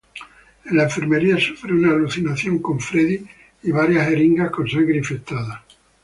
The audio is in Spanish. En la enfermería sufre una alucinación con Freddy y varias jeringas con sangre infectada.